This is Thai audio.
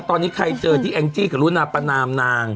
ตอนนี้ใครเจอที่แองจี้กับรุนาประนามนาง